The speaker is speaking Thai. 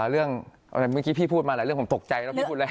เรื่องอะไรเมื่อกี้พี่พูดมาหลายเรื่องผมตกใจแล้วพี่พูดอะไร